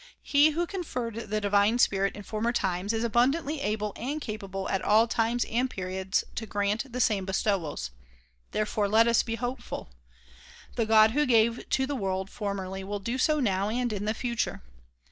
He who conferred the divine spirit in former times is abundantly able and capable at all times and periods to grant the same bestowals. Therefore let us be hopeful. The God who gave to the world formerly will do so now and in the future.